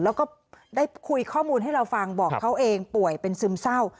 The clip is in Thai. แล้วก็ได้คุยข้อมูลให้เราฟังบอกเขาเองป่วยเป็นซึมเศร้า